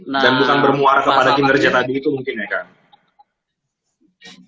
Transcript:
dan bukan bermuara kepada kinerja tadi itu mungkin ya kak